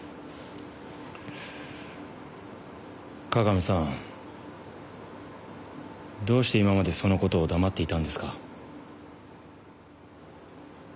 加賀美さんどうして今までそのことを黙っていたんですか？